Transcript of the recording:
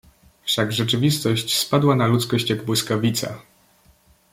"Wszak rzeczywistość spadła na ludzkość jak błyskawica."